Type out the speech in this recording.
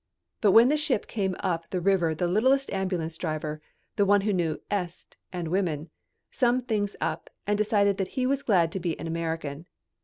But when the ship came up the river the littlest ambulance driver the one who knew "est" and women summed things up and decided that he was glad to be an American.